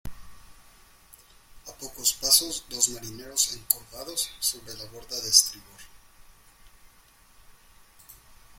a pocos pasos dos marineros encorvados sobre la borda de estribor